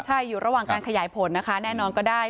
ใช่อยู่ระหว่างการขยายผลนะคะแน่นอนก็ได้